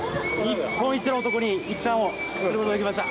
日本一の男に粋さんをすることができました。